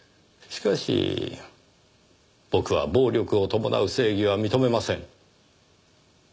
しかし僕は暴力を伴う正義は認めません。